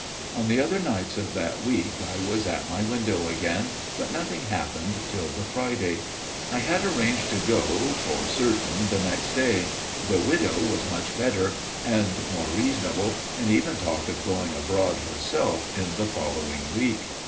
" On the other nights of that week I was at my window again ; but nothing happened till the Friday. I had arranged to go for certain next day ; the widow was much better and more reasonable, and even talked of going abroad herself in the following week.